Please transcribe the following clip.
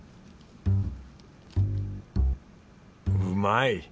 うまい！